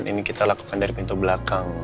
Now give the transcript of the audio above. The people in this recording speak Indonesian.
ini kita lakukan dari pintu belakang